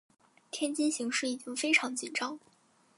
天津形势已经非常紧张。